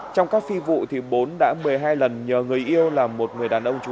trong các phi vụ bốn đã một mươi hai lần nhờ người yêu là một người đàn ông chú